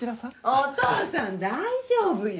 お父さん大丈夫よ。